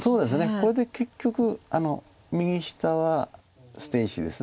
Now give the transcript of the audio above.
これで結局右下は捨て石です。